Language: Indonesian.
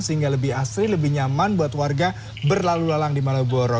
sehingga lebih asri lebih nyaman buat warga berlalu lalang di malioboro